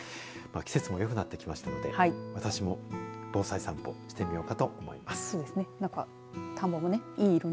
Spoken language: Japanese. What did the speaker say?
季節もよくなってきたので私も防災さんぽしてみようかと思います。